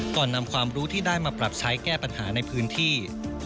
ก่อนนำความรู้ที่ได้มาปรับใช้แก้ปัญหาในพื้นที่